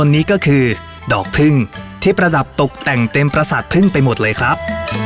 วันนี้ก็คือดอกพึ่งที่ประดับตกแต่งเต็มประสาทพึ่งไปหมดเลยครับ